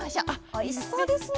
おいしそうですね！